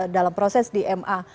dalam proses di ma